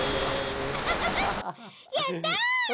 アハハハやった！